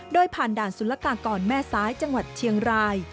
โดยผ่านด่านสุรกากรแม่ซ้ายจังหวัดเชียงราย